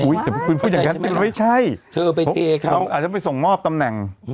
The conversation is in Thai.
แต่คุณพูดอย่างนั้นไม่ใช่เราอาจจะไปส่งมอบตำแหน่ง